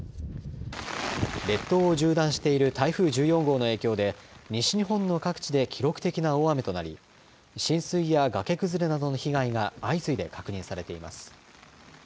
列島を縦断している台風１４号の影響で西日本の各地で記録的な大雨となり浸水や崖崩れなどの被害が相次いで確認されています。